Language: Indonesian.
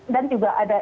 dan juga ada